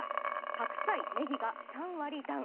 白菜、ねぎが３割ダウン。